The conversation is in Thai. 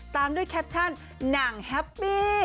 ตามด้วยแคปชั่นหนังแฮปปี้